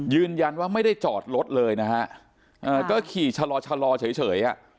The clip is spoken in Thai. ยืนยันว่าไม่ได้จอดรถเลยนะฮะก็ขี่ชะลอชะลอเฉยอ่ะ